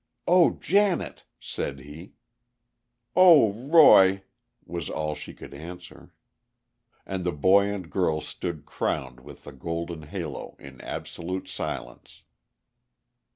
"Oh, Janet!" said he. "Oh, Roy!" was all she could answer. And the boy and girl stood crowned with the golden halo, in absolute silence.